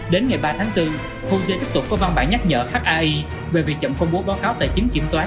đến ngày ba tháng bốn hồse tiếp tục có văn bản nhắc nhở hi về việc chậm công bố báo cáo tài chính kiểm toán